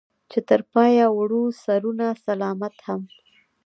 چې تر پايه وړو سرونه سلامت هم